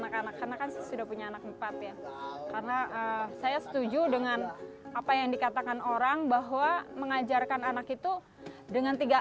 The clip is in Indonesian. karena saya setuju dengan apa yang dikatakan orang bahwa mengajarkan anak itu dengan tiga